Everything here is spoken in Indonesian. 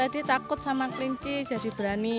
jadi takut sama kelinci jadi berani